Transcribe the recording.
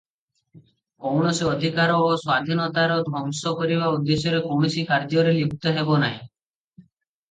କୌଣସି ଅଧିକାର ଓ ସ୍ୱାଧୀନତାର ଧ୍ୱଂସ କରିବା ଉଦ୍ଦେଶ୍ୟରେ କୌଣସି କାର୍ଯ୍ୟରେ ଲିପ୍ତ ହେବନାହିଁ ।